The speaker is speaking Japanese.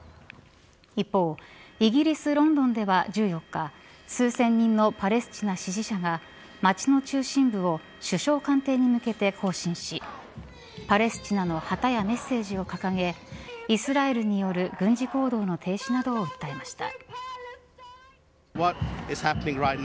一方、イギリス・ロンドンでは１４日数千人のパレスチナ支持者が街の中心部を首相官邸に向けて行進しパレスチナの旗やメッセージを掲げイスラエルによる軍事行動の停止などを訴えました。